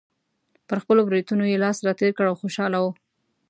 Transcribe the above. پر خپلو برېتونو یې لاس راتېر کړ او خوشحاله و.